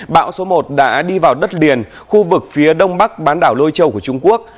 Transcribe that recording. bão số một đã đi vào đất liền khu vực phía đông bắc bán đảo lôi châu của trung quốc